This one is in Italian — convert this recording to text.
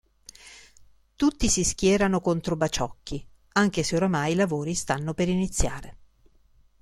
Tutti si schierano contro Baciocchi anche se ormai i lavori stanno per iniziare.